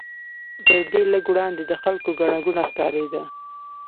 تر دې لږ وړاندې د خلکو ګڼه ګوڼه ښکارېده.